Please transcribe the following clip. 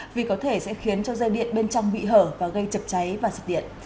vì có thể sẽ khiến cho dây điện bên trong bị hở và gây chập cháy và st điện